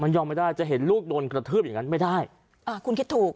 ยอมไม่ได้จะเห็นลูกโดนกระทืบอย่างงั้นไม่ได้อ่าคุณคิดถูก